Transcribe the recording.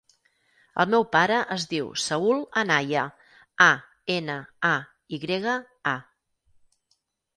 El meu pare es diu Saül Anaya: a, ena, a, i grega, a.